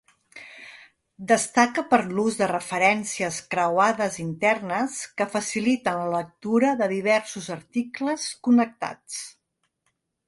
Destaca per l'ús de referències creuades internes que faciliten la lectura de diversos articles connectats.